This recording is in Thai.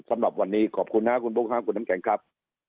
สำหรับวันนี้ขอบคุณนะคุณบุ๊คคุณน้ำแข็งครับ